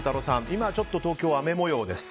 今ちょっと東京は雨模様です。